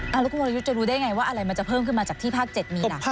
แล้วคุณวรยุทธ์จะรู้ได้ไงว่าอะไรมันจะเพิ่มขึ้นมาจากที่ภาค๗มีหลัก